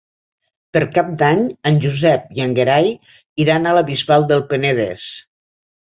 Per Cap d'Any en Josep i en Gerai iran a la Bisbal del Penedès.